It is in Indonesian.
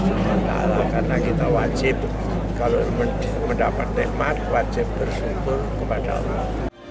sementara karena kita wajib kalau mendapat nikmat wajib bersyukur kepada allah